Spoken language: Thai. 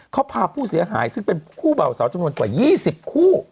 เขาพาผู้เสียหายซึ่งเป็นคู่เบาสาวจำนวนกว่า๒๐คู่